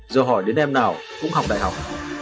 giờ hỏi đến em nào cũng học đại học